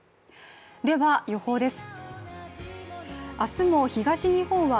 では、予報です。